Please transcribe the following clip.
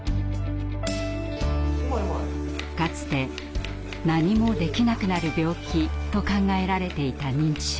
かつて「何もできなくなる病気」と考えられていた認知症。